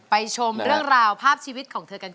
ชมเรื่องราวภาพชีวิตของเธอกัน